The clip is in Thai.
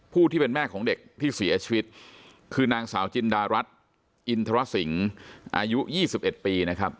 ผู้ที่เป็นแม่ของเด็กที่เสียชีวิตคือนางสาวจินดารัสอินทรสิงอายุยี่สิบเอ็ดปีนะครับ